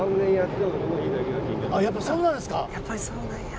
やっぱりそうなんや。